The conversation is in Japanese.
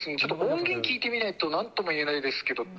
えっと、そうですね、ちょっと音源聴いてみないとなんとも言えないですけど。